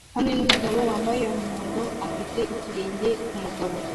hamwe numugabo wambaye umuhondo afite ikirenge kumugabo